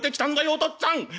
お父っつぁん！」。